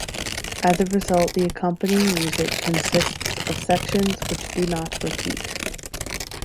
As a result, the accompanying music consists of sections which do not repeat.